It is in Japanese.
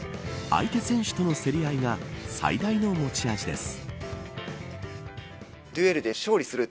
相手選手との競り合いが最大の持ち味です。